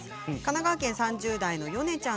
神奈川県３０代の方です。